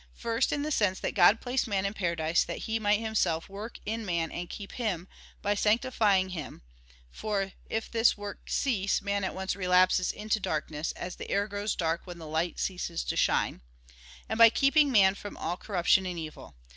First, in the sense that God placed man in paradise that He might Himself work in man and keep him, by sanctifying him (for if this work cease, man at once relapses into darkness, as the air grows dark when the light ceases to shine); and by keeping man from all corruption and evil.